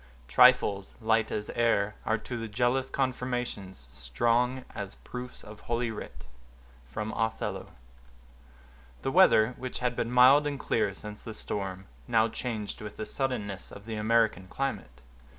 Trifles, light as air, Are to the jealous confirmations strong As proofs of holy writ. —Othello. The weather, which had been mild and clear since the storm, now changed with the suddenness of the American climate.